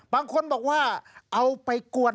บางคนบอกว่าเอาไปกวด